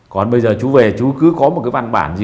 còn bây giờ chú về chú cứ có một cái văn bản gì